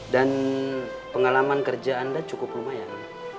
dan pengalaman kerja anda cukup lumayan